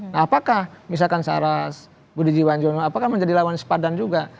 nah apakah misalkan saras budijiwanjono apakah menjadi lawan sepadan juga